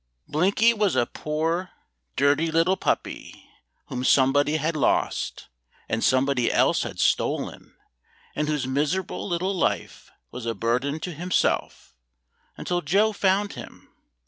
Blinky was a poor dirty little puppy whom somebody had lost, and somebody else had stolen, and whose miserable little life was a burden to himself until Joe found him.